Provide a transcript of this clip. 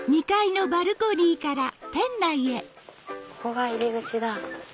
ここが入り口だ。